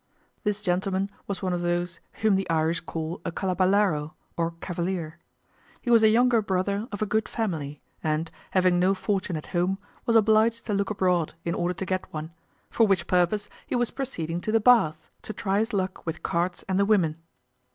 This gentleman was one of those whom the Irish call a calabalaro, or cavalier. He was a younger brother of a good family, and, having no fortune at home, was obliged to look abroad in order to get one; for which purpose he was proceeding to the Bath, to try his luck with cards and the women.